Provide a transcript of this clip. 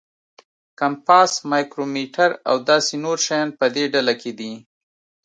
کمپاس، مایکرومیټر او داسې نور شیان په دې ډله کې دي.